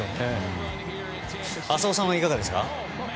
浅尾さんはいかがですか？